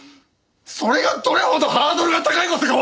それがどれほどハードルが高い事かわかりますか？